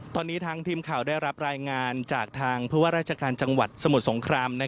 ตอนนี้ทางทีมข่าวได้รับรายงานจากทางผู้ว่าราชการจังหวัดสมุทรสงคราม